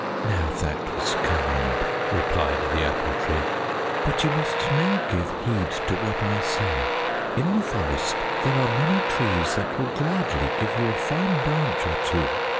"Now that was kind," replied the Apple Tree, "but you must now give heed to what I say. In the forest there are many trees that will gladly give you a fine branch or two.